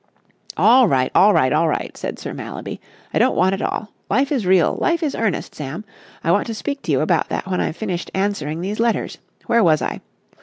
"All right, all right, all right!" said Sir Mallaby. "I don't want it all. Life is real! Life is earnest, Sam. I want to speak to you about that when I've finished answering these letters. Where was I?